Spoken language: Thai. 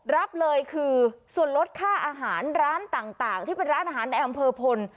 รับเลยคือส่วนลดค่าอาหารร้านต่างที่เป็นร้านอาหารในอำเภอพล